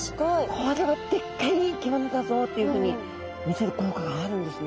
「これはでっかい生き物だぞ」っていうふうに見せる効果があるんですね。